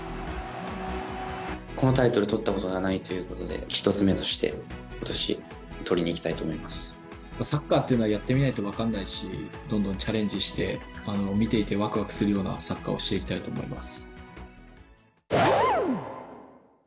このタイトルは取ったことがないということで、１つ目として、ことし、サッカーっていうのは、やってみないと分からないし、どんどんチャレンジして、見ていてわくわくするようなサッカーをしていきたいと思います。